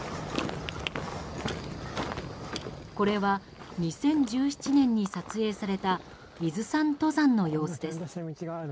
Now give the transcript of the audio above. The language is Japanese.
これは２０１７年に撮影された伊豆山登山の様子です。